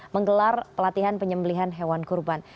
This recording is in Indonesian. menggelar pelatihan penyembelihan hewan kurban